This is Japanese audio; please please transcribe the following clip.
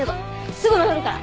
すぐ戻るから。